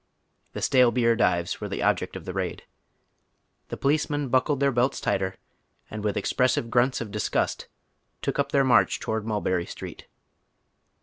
The stale beer dives were the object of tlie I'aid. The policemen buckled their belts tighter, and with expressive grunts of disgust took up tlieip march toward Muibeny Sti eet.